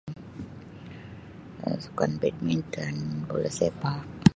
Um Sukan badminton bola sepak.